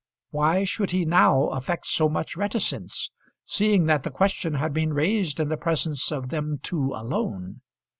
Why should he now affect so much reticence, seeing that the question had been raised in the presence of them two alone?